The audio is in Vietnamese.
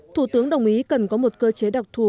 thủ tướng đồng ý cần có một cơ chế đặc thù